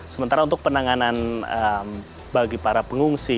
sementara untuk penanganan bagi para pengungsi